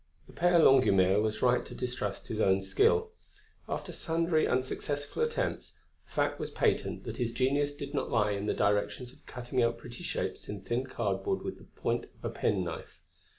The Père Longuemare was right to distrust his own skill; after sundry unsuccessful attempts, the fact was patent that his genius did not lie in the direction of cutting out pretty shapes in thin cardboard with the point of a penknife.